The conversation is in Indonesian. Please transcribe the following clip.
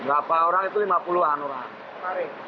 berapa orang itu lima puluh an orang